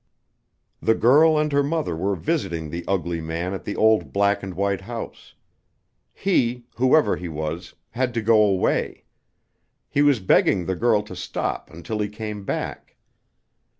The girl and her mother were visiting the ugly man at the old black and white house. He whoever he was had to go away. He was begging the girl to stop until he came back.